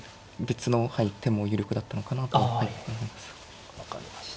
別の手も有力だったのかなと思います。